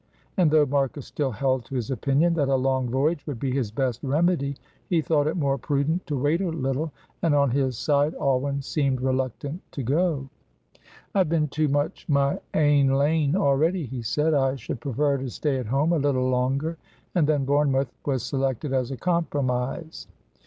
And though Marcus still held to his opinion that a long voyage would be his best remedy, he thought it more prudent to wait a little, and on his side Alwyn seemed reluctant to go. "I have been too much my ain lane already," he said; "I should prefer to stay at home a little longer," and then Bournemouth was selected as a compromise.